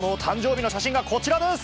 その誕生日の写真がこちらです。